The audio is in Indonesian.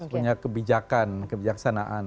punya kebijakan kebijaksanaan